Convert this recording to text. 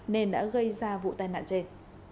nên đã gây ra vụ tai nạn trên